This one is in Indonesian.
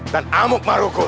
dan amuk marugul